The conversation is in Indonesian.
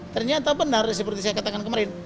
ternyata benar seperti saya katakan kemarin